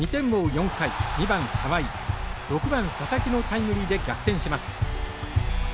４回２番沢井６番佐々木のタイムリーで逆転します。